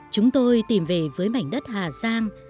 chúng tôi tìm về với mảnh đất hà giang